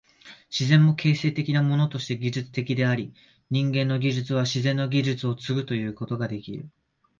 自然も形成的なものとして技術的であり、人間の技術は自然の技術を継ぐということができる。